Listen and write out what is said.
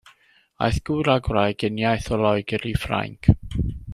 Aeth gŵr a gwraig uniaith o Loegr i Ffrainc.